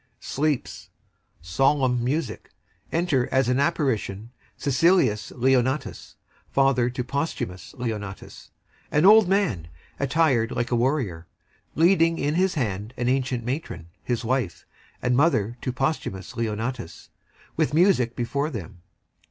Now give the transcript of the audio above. [Sleeps] Solemn music. Enter, as in an apparition, SICILIUS LEONATUS, father to POSTHUMUS, an old man attired like a warrior; leading in his hand an ancient matron, his WIFE, and mother to POSTHUMUS, with music before them.